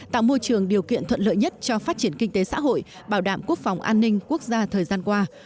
tạo môi trường điều kiện thuận lợi nhất cho phát triển kinh tế xã hội bảo đảm quốc phòng an ninh quốc gia thời gian qua